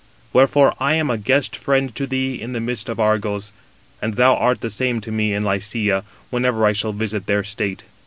Wherefore I am a guest friend to thee in the midst of Argos, and thou art the same to me in Lycia, whenever I shall visit their state.